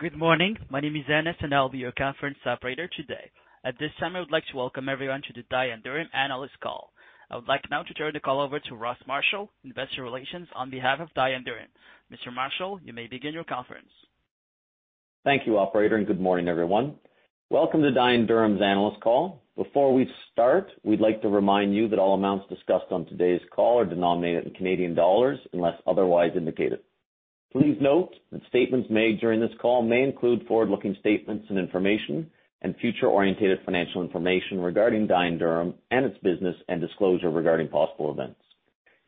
Good morning. My name is Ennis, and I'll be your conference operator today. At this time, I would like to welcome everyone to the Dye & Durham analyst call. I would like now to turn the call over to Ross Marshall, investor relations, on behalf of Dye & Durham. Mr. Marshall, you may begin your conference. Thank you, operator, and good morning, everyone. Welcome to Dye & Durham's analyst call. Before we start, we'd like to remind you that all amounts discussed on today's call are denominated in Canadian dollars unless otherwise indicated. Please note that statements made during this call may include forward-looking statements and information and future-oriented financial information regarding Dye & Durham and its business and disclosure regarding possible events,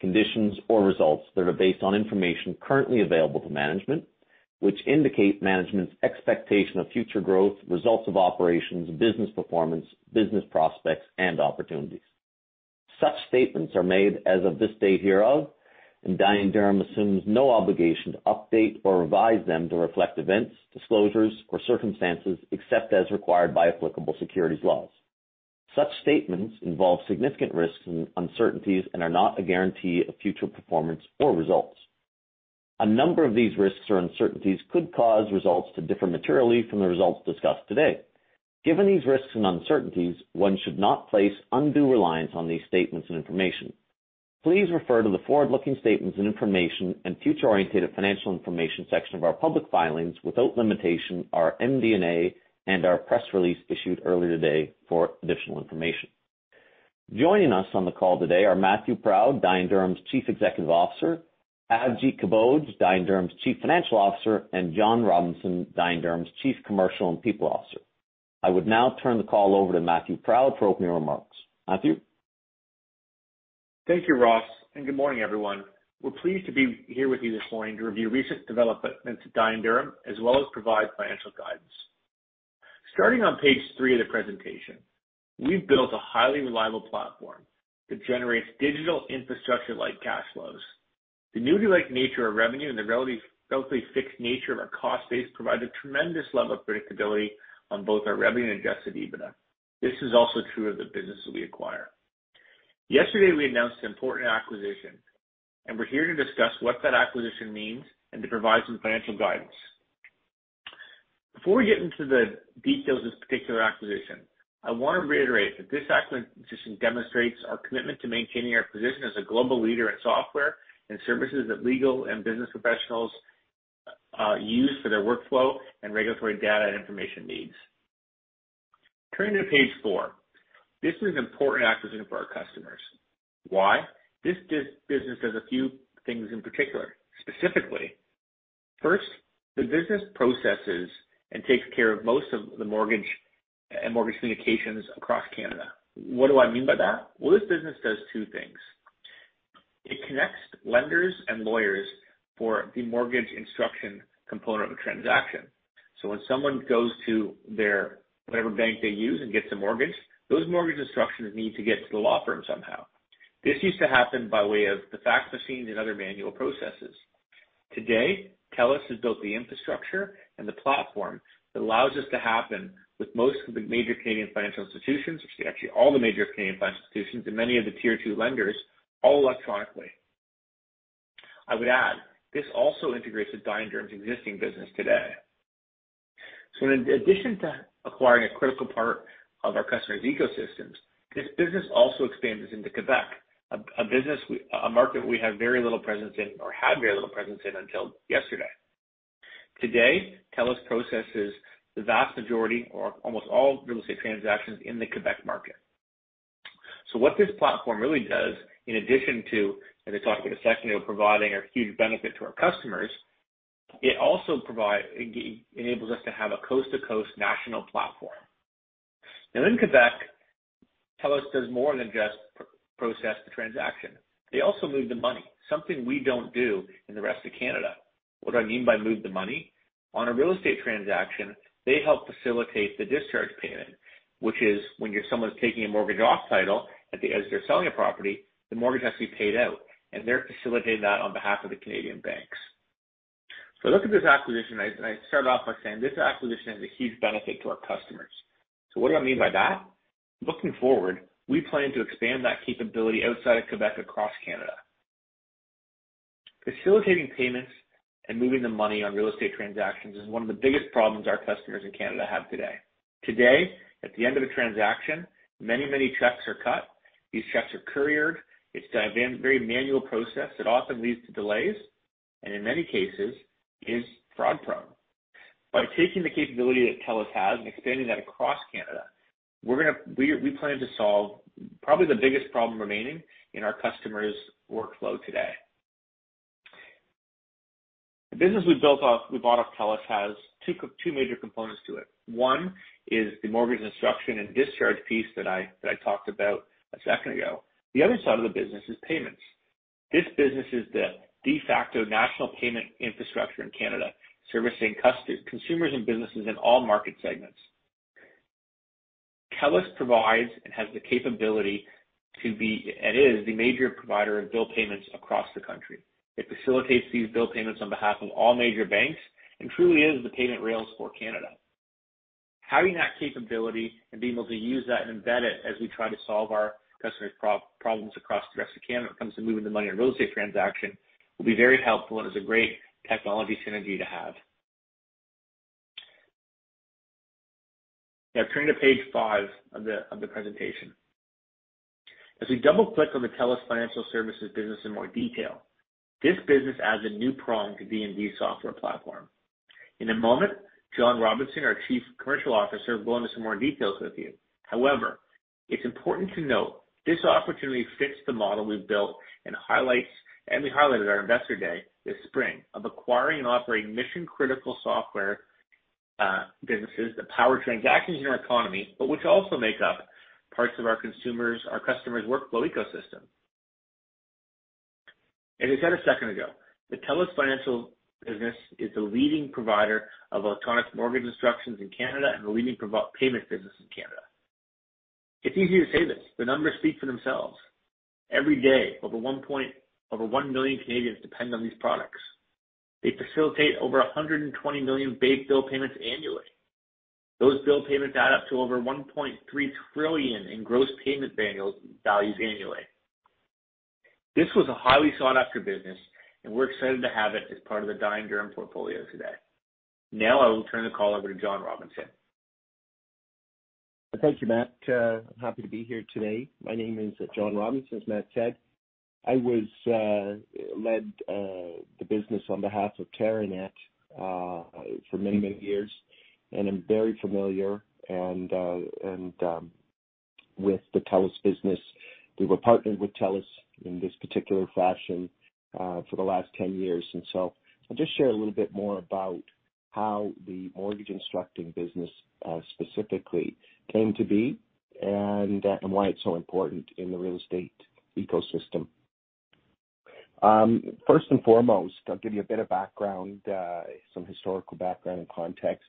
conditions, or results that are based on information currently available to management, which indicate management's expectation of future growth, results of operations, business performance, business prospects, and opportunities. Such statements are made as of this date hereof, and Dye & Durham assumes no obligation to update or revise them to reflect events, disclosures, or circumstances except as required by applicable securities laws. Such statements involve significant risks and uncertainties and are not a guarantee of future performance or results. A number of these risks or uncertainties could cause results to differ materially from the results discussed today. Given these risks and uncertainties, one should not place undue reliance on these statements and information. Please refer to the forward-looking statements and information and future-oriented financial information section of our public filings, without limitation, our MD&A and our press release issued earlier today for additional information. Joining us on the call today are Matthew Proud, Dye & Durham's Chief Executive Officer, Avjit Kamboj, Dye & Durham's Chief Financial Officer, and John Robinson, Dye & Durham's Chief Commercial and People Officer. I would now turn the call over to Matthew Proud for opening remarks. Matthew? Thank you, Ross, and good morning, everyone. We're pleased to be here with you this morning to review recent developments at Dye & Durham, as well as provide financial guidance. Starting on page three of the presentation, we've built a highly reliable platform that generates digital infrastructure like cash flows. The annuity-like nature of revenue and the relatively fixed nature of our cost base provide a tremendous level of predictability on both our revenue and adjusted EBITDA. This is also true of the business that we acquire. Yesterday, we announced an important acquisition, and we're here to discuss what that acquisition means and to provide some financial guidance. Before we get into the details of this particular acquisition, I want to reiterate that this acquisition demonstrates our commitment to maintaining our position as a global leader in software and services that legal and business professionals use for their workflow and regulatory data and information needs. Turning to page four, this is an important acquisition for our customers. Why? This business does a few things in particular. Specifically, first, the business processes and takes care of most of the mortgage communications across Canada. What do I mean by that? Well, this business does two things. It connects lenders and lawyers for the mortgage instruction component of a transaction. When someone goes to their whatever bank they use and gets a mortgage, those mortgage instructions need to get to the law firm somehow. This used to happen by way of the fax machine and other manual processes. Today, TELUS has built the infrastructure and the platform that allows this to happen with most of the major Canadian financial institutions, actually all the major Canadian financial institutions and many of the tier two lenders, all electronically. I would add, this also integrates with Dye & Durham's existing business today. In addition to acquiring a critical part of our customers' ecosystems, this business also expands into Quebec, a market we have very little presence in or had very little presence in until yesterday. Today, TELUS processes the vast majority or almost all real estate transactions in the Quebec market. What this platform really does, in addition to, as I talked about a second ago, providing a huge benefit to our customers, it also enables us to have a coast-to-coast national platform. Now, in Quebec, TELUS does more than just process the transaction. They also move the money, something we don't do in the rest of Canada. What do I mean by move the money? On a real estate transaction, they help facilitate the discharge payment, which is when someone's taking a mortgage off title as they're selling a property, the mortgage has to be paid out, and they're facilitating that on behalf of the Canadian banks. Look at this acquisition. I started off by saying this acquisition is a huge benefit to our customers. What do I mean by that? Looking forward, we plan to expand that capability outside of Quebec across Canada. Facilitating payments and moving the money on real estate transactions is one of the biggest problems our customers in Canada have today. Today, at the end of a transaction, many checks are cut. These checks are couriered. It's a very manual process. It often leads to delays, and in many cases, is fraud-prone. By taking the capability that TELUS has and expanding that across Canada, we plan to solve probably the biggest problem remaining in our customers' workflow today. The business we bought off TELUS has two major components to it. One is the mortgage instruction and discharge piece that I talked about a second ago. The other side of the business is payments. This business is the de facto national payment infrastructure in Canada, servicing consumers and businesses in all market segments. TELUS provides and has the capability to be, and is, the major provider of bill payments across the country. It facilitates these bill payments on behalf of all major banks and truly is the payment rails for Canada. Having that capability and being able to use that and embed it as we try to solve our customers' problems across the rest of Canada when it comes to moving the money in real estate transaction will be very helpful and is a great technology synergy to have. Now turning to page five of the presentation. As we double-click on the TELUS Financial Solutions business in more detail, this business adds a new prong to D&D software platform. In a moment, John Robinson, our Chief Commercial Officer, will go into some more details with you. However, it's important to note this opportunity fits the model we've built and highlights and we highlighted our investor day this spring of acquiring and operating mission-critical software businesses that power transactions in our economy, but which also make up parts of our consumers, our customers workflow ecosystem. As I said a second ago, the TELUS Financial business is the leading provider of electronic mortgage instructions in Canada and the leading provider of payment business in Canada. It's easy to say this, the numbers speak for themselves. Every day, over 1 million Canadians depend on these products. They facilitate over 120 million paid bill payments annually. Those bill payments add up to over 1.3 trillion in gross payment values annually. This was a highly sought-after business, and we're excited to have it as part of the Dye & Durham portfolio today. Now I will turn the call over to John Robinson. Thank you, Matt. I'm happy to be here today. My name is John Robinson, as Matt said. I led the business on behalf of Teranet for many years, and I'm very familiar with the TELUS business. We were partnered with TELUS in this particular fashion for the last 10 years. I'll just share a little bit more about how the mortgage instructing business specifically came to be and why it's so important in the real estate ecosystem. First and foremost, I'll give you a bit of background, some historical background and context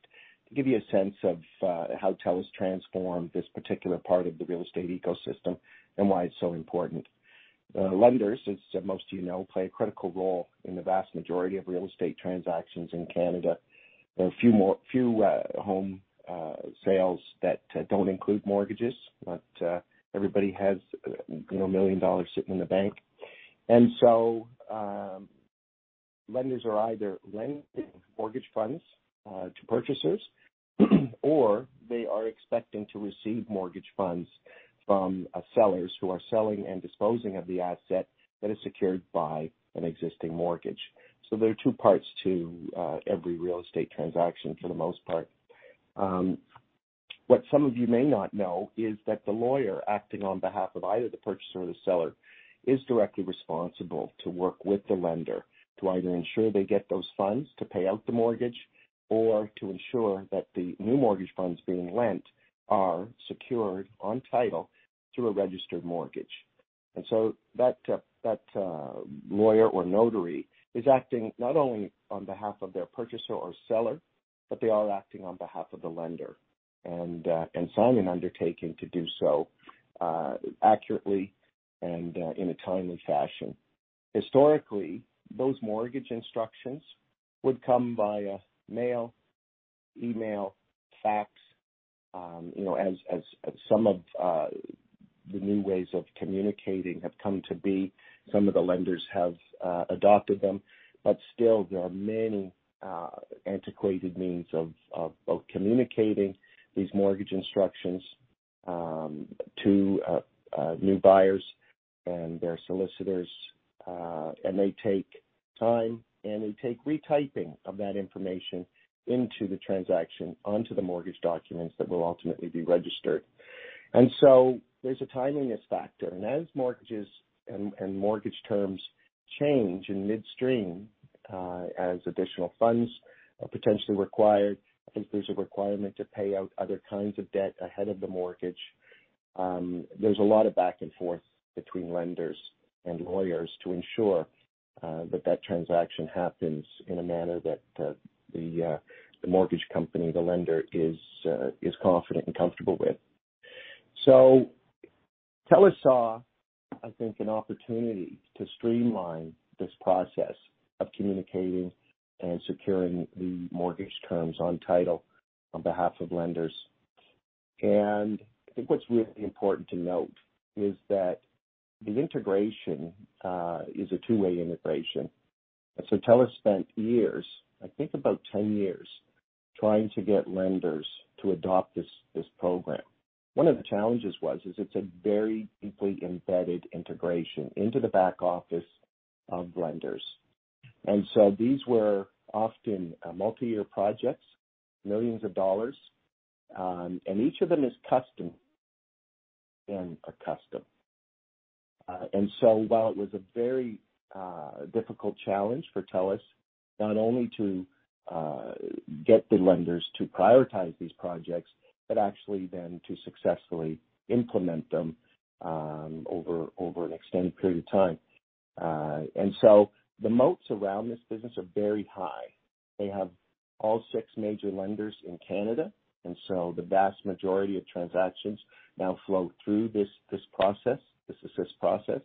to give you a sense of how TELUS transformed this particular part of the real estate ecosystem and why it's so important. Lenders, as most of you know, play a critical role in the vast majority of real estate transactions in Canada. There are few home sales that don't include mortgages, not everybody has, you know, 1 million dollars sitting in the bank. Lenders are either lending mortgage funds to purchasers, or they are expecting to receive mortgage funds from sellers who are selling and disposing of the asset that is secured by an existing mortgage. There are two parts to every real estate transaction for the most part. What some of you may not know is that the lawyer acting on behalf of either the purchaser or the seller is directly responsible to work with the lender to either ensure they get those funds to pay out the mortgage or to ensure that the new mortgage funds being lent are secured on title through a registered mortgage. That lawyer or notary is acting not only on behalf of their purchaser or seller, but they are acting on behalf of the lender and sign an undertaking to do so accurately and in a timely fashion. Historically, those mortgage instructions would come via mail, email, fax, you know, as some of the new ways of communicating have come to be. Some of the lenders have adopted them, but still there are many antiquated means of communicating these mortgage instructions to new buyers and their solicitors, and they take time and they take retyping of that information into the transaction, onto the mortgage documents that will ultimately be registered. There's a timeliness factor. As mortgages and mortgage terms change in midstream, as additional funds are potentially required, I think there's a requirement to pay out other kinds of debt ahead of the mortgage. There's a lot of back and forth between lenders and lawyers to ensure that transaction happens in a manner that the mortgage company, the lender is confident and comfortable with. TELUS saw, I think, an opportunity to streamline this process of communicating and securing the mortgage terms on title on behalf of lenders. I think what's really important to note is that the integration is a two-way integration. TELUS spent years, I think about 10 years, trying to get lenders to adopt this program. One of the challenges is it's a very deeply embedded integration into the back office of lenders. These were often multi-year projects, millions of dollars, and each of them is custom. While it was a very difficult challenge for TELUS not only to get the lenders to prioritize these projects, but actually then to successfully implement them over an extended period of time. The moats around this business are very high. They have all six major lenders in Canada, so the vast majority of transactions now flow through this process, this Assyst process.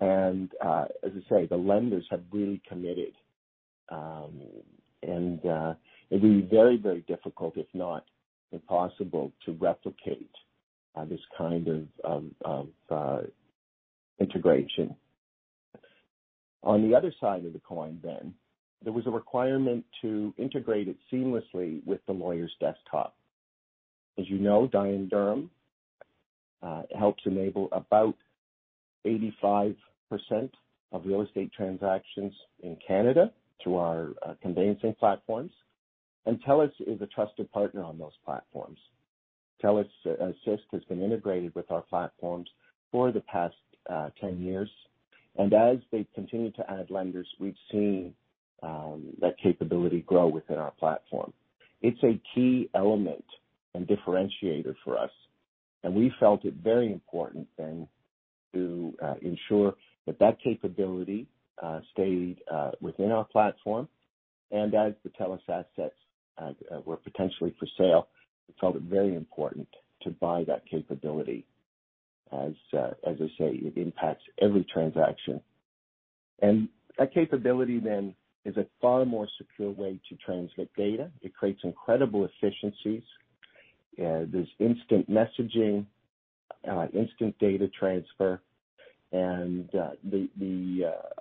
As I say, the lenders have really committed. It'd be very difficult, if not impossible, to replicate this kind of integration. On the other side of the coin then, there was a requirement to integrate it seamlessly with the lawyer's desktop. As you know, Dye & Durham helps enable about 85% of real estate transactions in Canada through our conveyancing platforms, and TELUS is a trusted partner on those platforms. TELUS Assyst has been integrated with our platforms for the past 10 years. As they continue to add lenders, we've seen that capability grow within our platform. It's a key element and differentiator for us, and we felt it very important then to ensure that that capability stayed within our platform. As the TELUS assets were potentially for sale, we felt it very important to buy that capability as I say, it impacts every transaction. That capability then is a far more secure way to transmit data. It creates incredible efficiencies. There's instant messaging, instant data transfer, and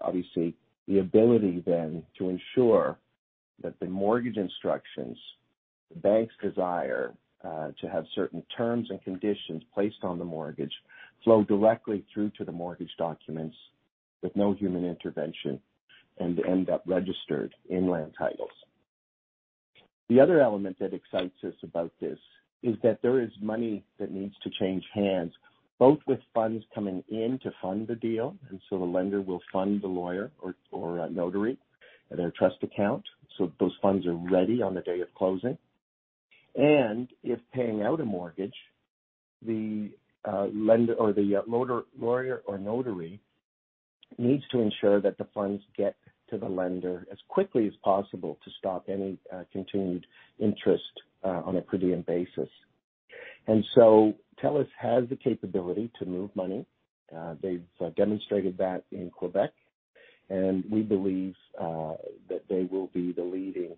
obviously the ability then to ensure that the mortgage instructions, the bank's desire to have certain terms and conditions placed on the mortgage flow directly through to the mortgage documents with no human intervention and end up registered in land titles. The other element that excites us about this is that there is money that needs to change hands, both with funds coming in to fund the deal, and so the lender will fund the lawyer or a notary in a trust account, so those funds are ready on the day of closing. If paying out a mortgage, the lender or the lawyer or notary needs to ensure that the funds get to the lender as quickly as possible to stop any continued interest on a per diem basis. TELUS has the capability to move money. They've demonstrated that in Quebec, and we believe that they will be the leading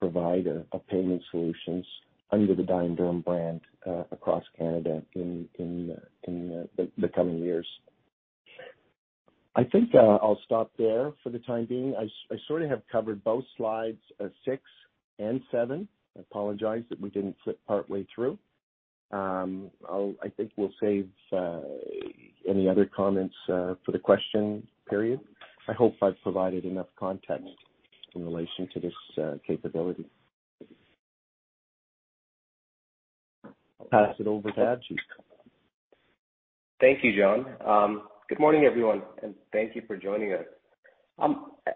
provider of payment solutions under the Dye & Durham brand across Canada in the coming years. I think I'll stop there for the time being. I sort of have covered both slides six and seven. I apologize that we didn't flip partway through. I think we'll save any other comments for the question period. I hope I've provided enough context in relation to this capability. I'll pass it over to Avjit. Thank you, John. Good morning, everyone, and thank you for joining us.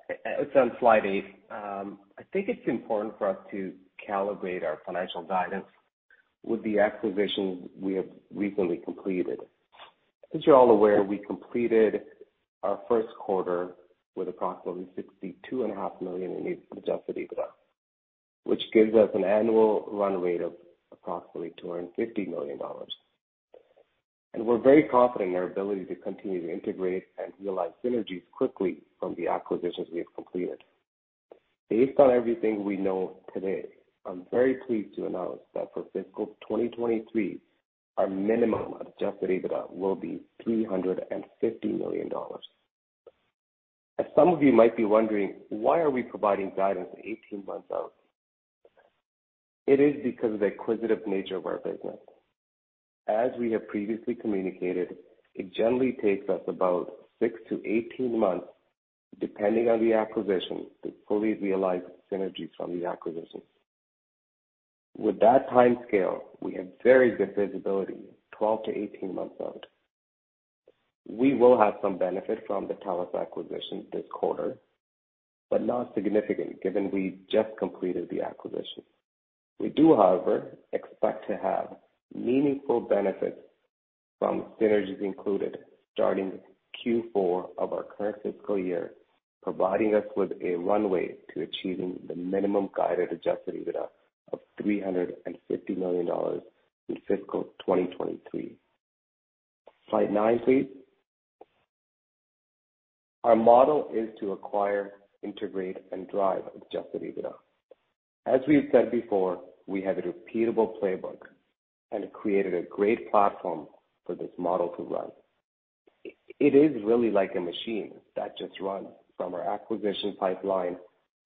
It's on slide eight. I think it's important for us to calibrate our financial guidance with the acquisitions we have recently completed. As you're all aware, we completed our first quarter with approximately 62.5 million in adjusted EBITDA, which gives us an annual run rate of approximately 250 million dollars. We're very confident in our ability to continue to integrate and realize synergies quickly from the acquisitions we have completed. Based on everything we know today, I'm very pleased to announce that for fiscal 2023, our minimum adjusted EBITDA will be 350 million dollars. As some of you might be wondering, why are we providing guidance 18 months out? It is because of the acquisitive nature of our business. As we have previously communicated, it generally takes us about six to 18 months, depending on the acquisition, to fully realize synergies from the acquisition. With that timescale, we have very good visibility 12-18 months out. We will have some benefit from the TELUS acquisition this quarter, but not significant given we just completed the acquisition. We do, however, expect to have meaningful benefits from synergies included starting Q4 of our current fiscal year, providing us with a runway to achieving the minimum guided adjusted EBITDA of 350 million dollars in fiscal 2023. Slide nine, please. Our model is to acquire, integrate, and drive adjusted EBITDA. As we've said before, we have a repeatable playbook and have created a great platform for this model to run. It is really like a machine that just runs from our acquisition pipeline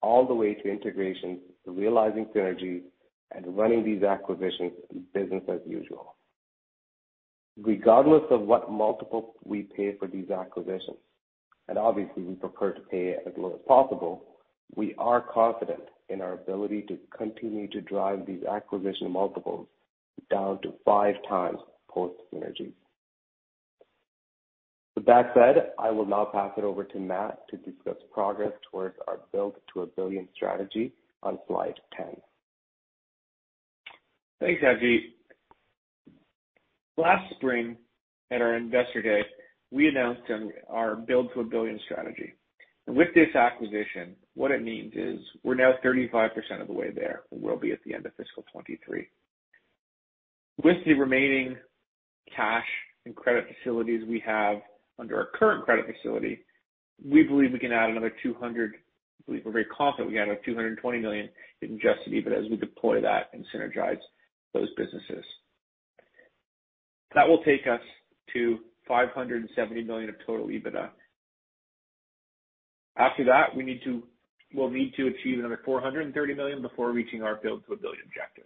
all the way to integration to realizing synergies and running these acquisitions business as usual. Regardless of what multiple we pay for these acquisitions, and obviously, we prefer to pay as low as possible, we are confident in our ability to continue to drive these acquisition multiples down to 5x post synergies. With that said, I will now pass it over to Matt to discuss progress towards our Build to a Billion strategy on slide 10. Thanks, Avjit. Last spring at our Investor Day, we announced our Build to a Billion strategy. With this acquisition, what it means is we're now 35% of the way there, or will be at the end of fiscal 2023. With the remaining cash and credit facilities we have under our current credit facility, we believe we can add another. We're very confident we add about 220 million in adjusted EBITDA as we deploy that and synergize those businesses. That will take us to 570 million of total EBITDA. After that, we'll need to achieve another 430 million before reaching our Build to a Billion objective.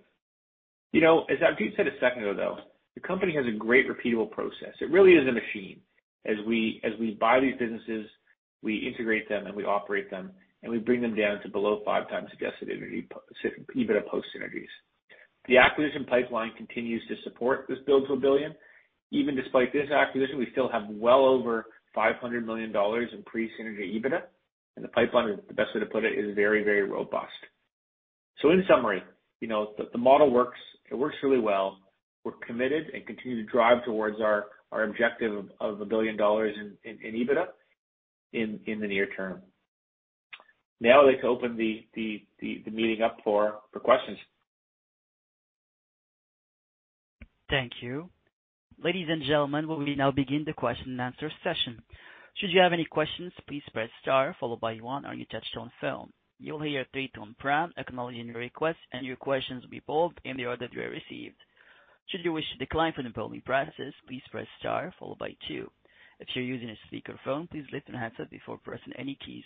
You know, as Avjit said a second ago, though, the company has a great repeatable process. It really is a machine. As we buy these businesses, we integrate them, and we operate them, and we bring them down to below 5x adjusted EBITDA post synergies. The acquisition pipeline continues to support this Build to a Billion. Even despite this acquisition, we still have well over 500 million dollars in pre-synergy EBITDA, and the pipeline, the best way to put it is very, very robust. In summary, you know, the model works, it works really well. We're committed and continue to drive towards our objective of 1 billion dollars in EBITDA in the near term. Now I'd like to open the meeting up for questions. Thank you. Ladies and gentlemen, we will now begin the question and answer session. Should you have any questions, please press star followed by one on your touchtone phone. You'll hear a three-tone prompt acknowledging your request, and your questions will be polled in the order they are received. Should you wish to decline from the polling process, please press star followed by two. If you're using a speakerphone, please lift the handset before pressing any keys.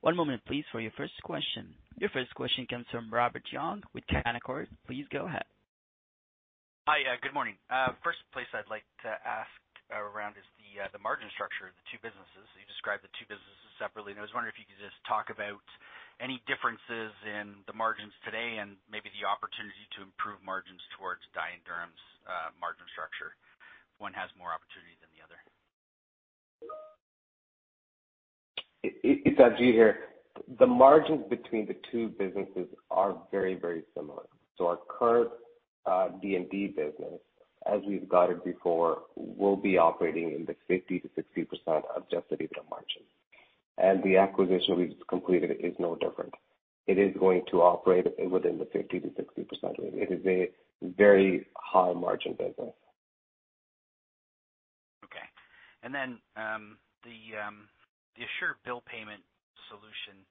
One moment please for your first question. Your first question comes from Robert Young with Canaccord. Please go ahead. Hi. Good morning. First place I'd like to ask around is the margin structure of the two businesses. You described the two businesses separately, and I was wondering if you could just talk about any differences in the margins today and maybe the opportunity to improve margins towards Dye & Durham's margin structure. One has more opportunity than the other. It's Avjit here. The margins between the two businesses are very, very similar. Our current D&D business, as we've guided before, will be operating in the 50%-60% adjusted EBITDA margin. The acquisition we just completed is no different. It is going to operate within the 50%-60% range. It is a very high margin business. Okay. The Assure Bill Payment solution,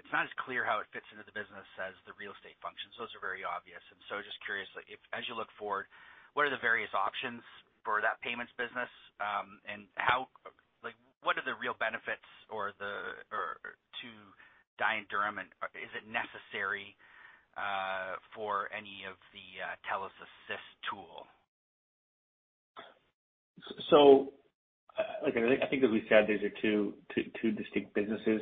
it's not as clear how it fits into the business as the Assyst Real Estate. Those are very obvious. Just curious, like as you look forward, what are the various options for that payments business? Like, what are the real benefits or to Dye & Durham and is it necessary for any of the TELUS Assyst tool? I think as we said, these are two distinct businesses.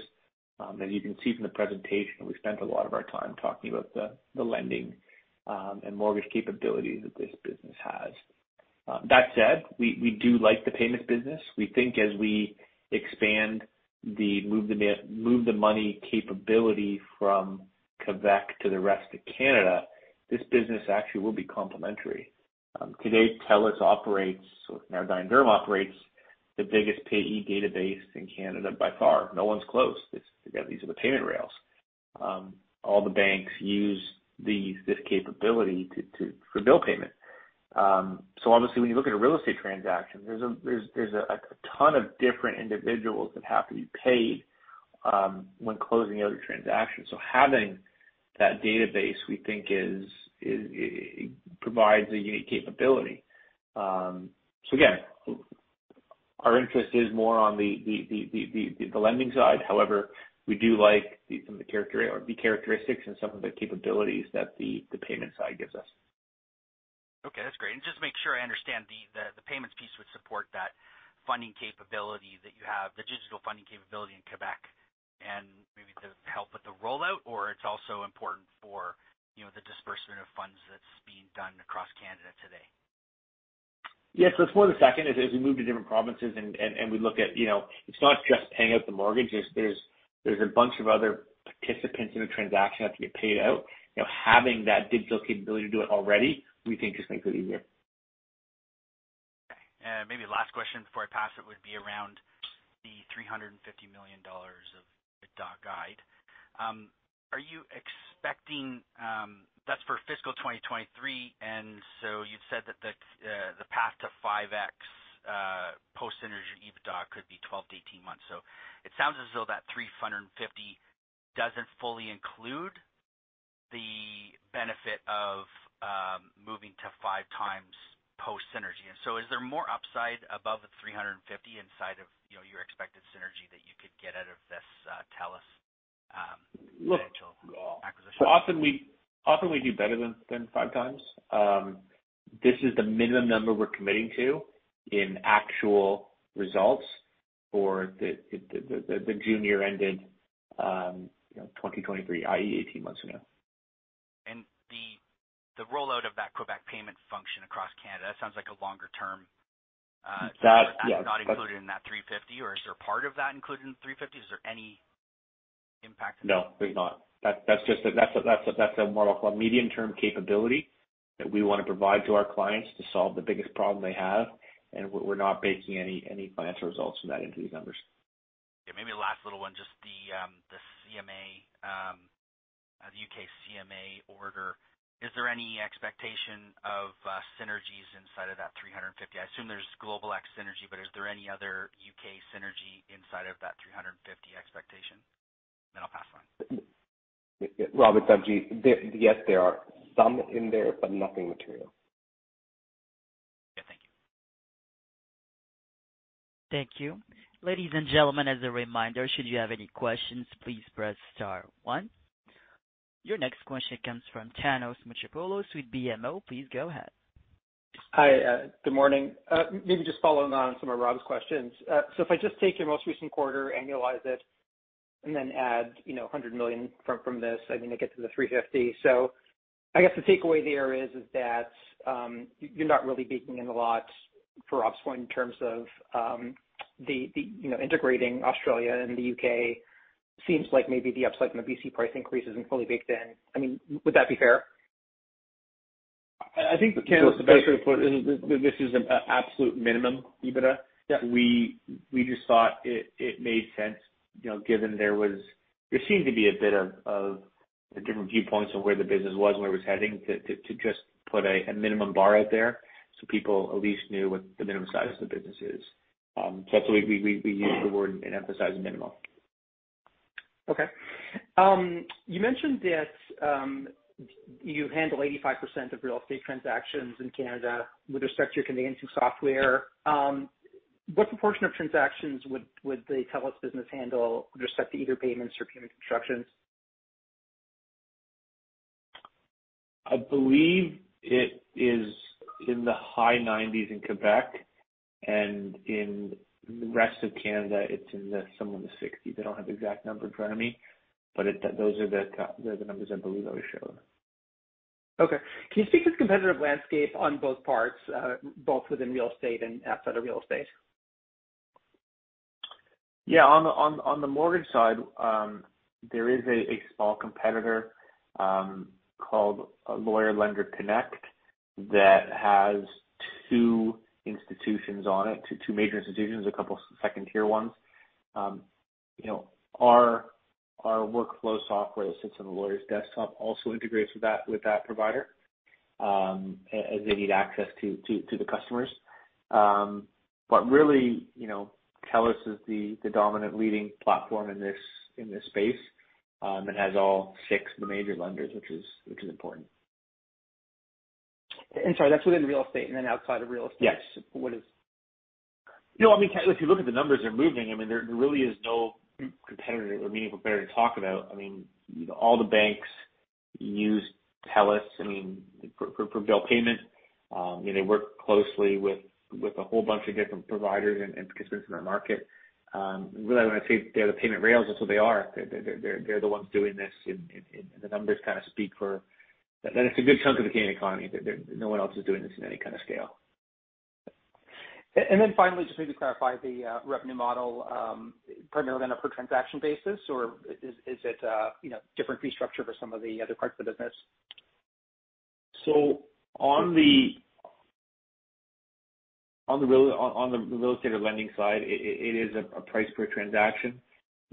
As you can see from the presentation, we spent a lot of our time talking about the lending and mortgage capabilities that this business has. That said, we do like the payments business. We think as we expand the move the money capability from Quebec to the rest of Canada, this business actually will be complementary. Today, TELUS operates, or now Dye & Durham operates the biggest payee database in Canada by far. No one's close. Again, these are the payment rails. All the banks use this capability for bill payment. Obviously when you look at a real estate transaction, there's a ton of different individuals that have to be paid when closing out a transaction. Having that database we think provides a unique capability. Again, our interest is more on the lending side. However, we do like some of the character or the characteristics and some of the capabilities that the payment side gives us. Okay, that's great. Just to make sure I understand, the payments piece would support that funding capability that you have, the digital funding capability in Quebec and maybe to help with the rollout or it's also important for, you know, the disbursement of funds that's being done across Canada today? Yeah. It's more the second as we move to different provinces and we look at, you know, it's not just paying out the mortgage. There's a bunch of other participants in a transaction have to get paid out. You know, having that digital capability to do it already, we think just makes it easier. Okay. Maybe last question before I pass it would be around the 350 million dollars of EBITDA guide. Are you expecting? That's for fiscal 2023, and so you've said that the path to 5x post-synergy EBITDA could be 12-18 months. It sounds as though that 350 million doesn't fully include the benefit of moving to 5x post-synergy. Is there more upside above the 350 million inside of, you know, your expected synergy that you could get out of this TELUS potential acquisition? Often we do better than 5x. This is the minimum number we're committing to in actual results for the June year-ended, you know, 2023, i.e., 18 months from now. The rollout of that Quebec payment function across Canada, that sounds like a longer term. Is that- That, yeah. Not included in that 350 or is there a part of that included in the 350? Is there any impact? No, there's not. That's just a more of a medium-term capability that we wanna provide to our clients to solve the biggest problem they have, and we're not baking any financial results from that into these numbers. Yeah, maybe last little one, just the CMA, the U.K. CMA order, is there any expectation of synergies inside of that 350? I assume there's GlobalX synergy, but is there any other U.K. synergy inside of that 350 expectation? Then I'll pass on. Robert, Avjit. Yes, there are some in there, but nothing material. Yeah. Thank you. Thank you. Ladies and gentlemen, as a reminder, should you have any questions, please press star one. Your next question comes from Thanos Moschopoulos with BMO. Please go ahead. Hi. Good morning. Maybe just following on some of Rob's questions. If I just take your most recent quarter, annualize it, and then add, you know, 100 million from this, I mean, it gets to 350. I guess the takeaway there is that you're not really baking in a lot for ops point in terms of the you know, integrating Australia and the U.K. seems like maybe the upside in the BC price increase isn't fully baked in. I mean, would that be fair? I think, Thanos, the best way to put it is this is an absolute minimum EBITDA. Yeah. We just thought it made sense, you know, given there seemed to be a bit of the different viewpoints on where the business was and where it was heading to just put a minimum bar out there, so people at least knew what the minimum size of the business is. That's why we use the word and emphasize minimum. Okay. You mentioned that you handle 85% of real estate transactions in Canada with respect to your conveyancing software. What proportion of transactions would the TELUS business handle with respect to either payments or payment instructions? I believe it is in the high 90s% in Quebec, and in the rest of Canada, it's somewhere in the 60s%. I don't have exact number in front of me, but those are the numbers I believe I was shown. Okay. Can you speak to the competitive landscape on both parts, both within real estate and outside of real estate? Yeah. On the mortgage side, there is a small competitor called Lender Lawyer Connect that has two institutions on it, two major institutions, a couple second-tier ones. You know, our workflow software that sits on the lawyer's desktop also integrates with that provider as they need access to the customers. Really, you know, TELUS is the dominant leading platform in this space and has all six major lenders, which is important. Sorry, that's within real estate and then outside of real estate. Yes. What is? You know, I mean, if you look at the numbers they're moving, I mean, there really is no competitor or meaningful competitor to talk about. I mean, you know, all the banks use TELUS, I mean, for bill payment. You know, they work closely with a whole bunch of different providers and participants in our market. Really, when I say they're the payment rails, that's what they are. They're the ones doing this, and the numbers kinda speak for that it's a good chunk of the Canadian economy. No one else is doing this in any kind of scale. Finally, just maybe to clarify the revenue model, primarily on a per transaction basis, or is it, you know, differently structured for some of the other parts of the business? On the real estate or lending side, it is a price per transaction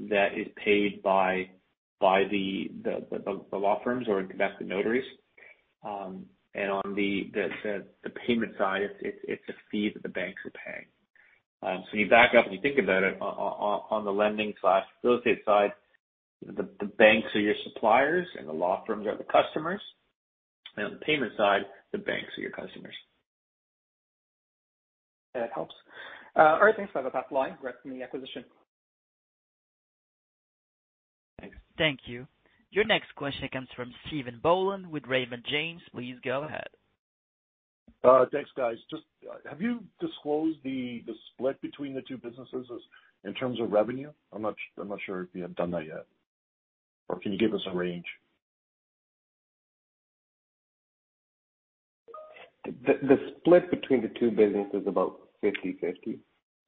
that is paid by the law firms or in Quebec, the notaries. On the payment side, it's a fee that the banks are paying. You back up and you think about it, on the lending/real estate side, the banks are your suppliers and the law firms are the customers. On the payment side, the banks are your customers. That helps. All right. Thanks for the top line, congrats on the acquisition. Thanks. Thank you. Your next question comes from Stephen Boland with Raymond James. Please go ahead. Thanks, guys. Just, have you disclosed the split between the two businesses in terms of revenue? I'm not sure if you have done that yet. Can you give us a range? The split between the two businesses is about 50/50.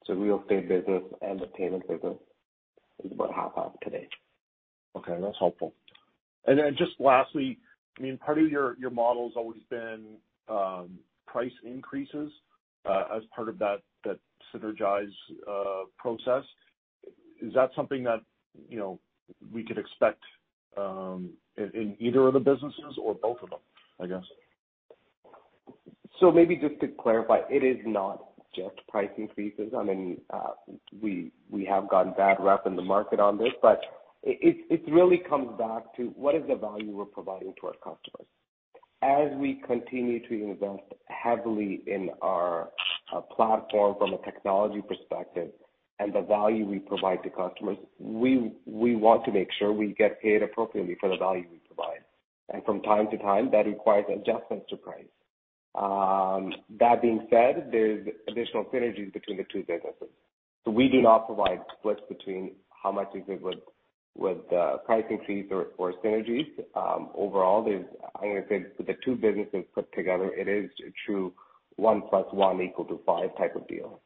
Real estate business and the payment business is about half half today. Okay, that's helpful. Just lastly, I mean, part of your model's always been price increases as part of that synergies process. Is that something that, you know, we could expect in either of the businesses or both of them, I guess? Maybe just to clarify, it is not just price increases. I mean, we have gotten bad rap in the market on this, but it really comes back to what is the value we're providing to our customers. As we continue to invest heavily in our platform from a technology perspective and the value we provide to customers, we want to make sure we get paid appropriately for the value we provide. From time to time, that requires adjustments to price. That being said, there's additional synergies between the two businesses. We do not provide splits between how much is it with price increases or synergies. Overall, I'm gonna say the two businesses put together it is a true one plus one equal to five type of deal.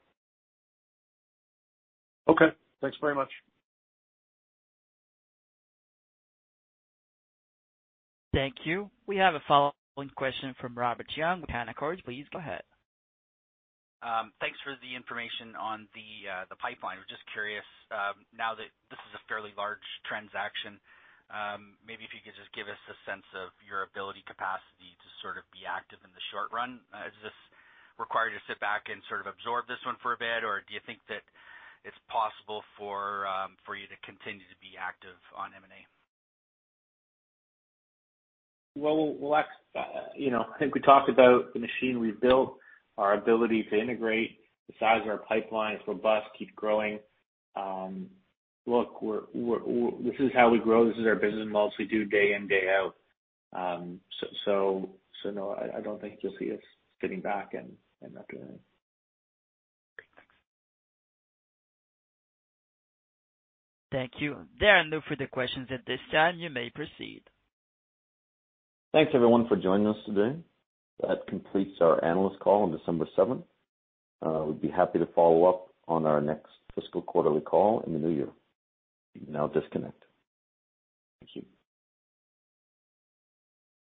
Okay. Thanks very much. Thank you. We have a following question from Robert Young with Canaccord. Please go ahead. Thanks for the information on the pipeline. We're just curious, now that this is a fairly large transaction, maybe if you could just give us a sense of your ability capacity to sort of be active in the short run. Is this required to sit back and sort of absorb this one for a bit? Or do you think that it's possible for you to continue to be active on M&A? Well, you know, I think we talked about the machine we've built, our ability to integrate, the size of our pipeline is robust, keep growing. Look, this is how we grow. This is our business models we do day in, day out. No, I don't think you'll see us sitting back and not doing anything. Great. Thanks. Thank you. There are no further questions at this time. You may proceed. Thanks, everyone, for joining us today. That completes our analyst call on December seventh. We'd be happy to follow up on our next fiscal quarterly call in the new year. You can now disconnect. Thank you.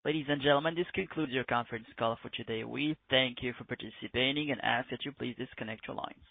Ladies and gentlemen, this concludes your conference call for today. We thank you for participating and ask that you please disconnect your lines.